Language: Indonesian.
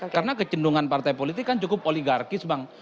karena kecendungan partai politik kan cukup oligarkis bang